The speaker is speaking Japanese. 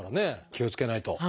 気をつけないと。